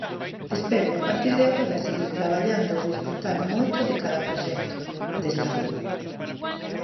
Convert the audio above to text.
Espero a partir de agora seguir traballando e desfrutar moito de cada proxecto, destacou.